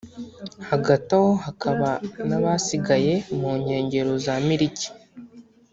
Hagati aho hakaba n’abasigaye mu nkengero za Miriki